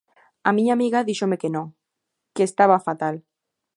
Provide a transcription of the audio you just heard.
A miña amiga díxome que non, que estaba fatal.